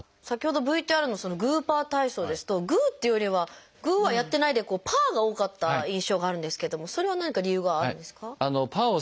先ほどＶＴＲのグーパー体操ですとグーっていうよりはグーはやってないでパーが多かった印象があるんですけれどもそれは何か理由があるんですか？